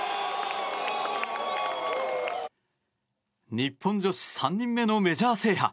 日本女子３人目のメジャー制覇。